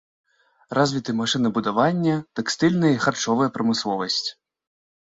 Развіты машынабудаванне, тэкстыльная і харчовая прамысловасць.